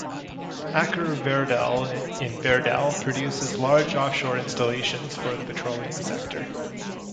Aker Verdal in Verdal produces large offshore installations for the petroleum sector.